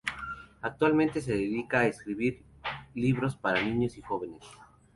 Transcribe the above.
Actualmente se dedica a escribir libros para niños y jóvenes.